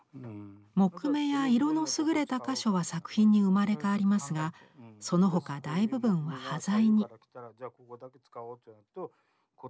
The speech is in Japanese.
木目や色の優れた箇所は作品に生まれ変わりますがその他大部分は端材に。